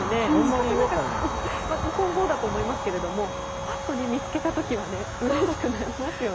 しかも今後だと思いますけれどもぱっと見つけた時はうれしくなりますよね。